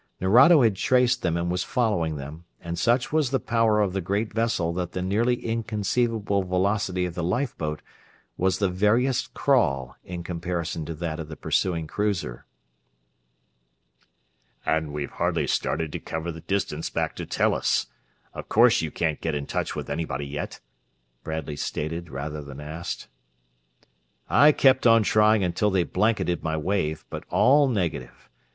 Nerado had traced them and was following them, and such was the power of the great vessel that the nearly inconceivable velocity of the lifeboat was the veriest crawl in comparison to that of the pursuing cruiser. "And we've hardly started to cover the distance back to Tellus. Of course you couldn't get in touch with anybody yet?" Bradley stated, rather than asked. "I kept on trying until they blanketed my wave, but all negative.